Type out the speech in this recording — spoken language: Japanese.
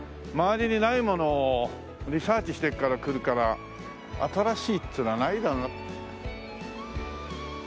周りにないものをリサーチしてから来るから新しいっていうのはないだろうな。